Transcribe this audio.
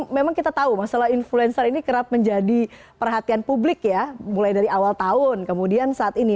memang kita tahu masalah influencer ini kerap menjadi perhatian publik ya mulai dari awal tahun kemudian saat ini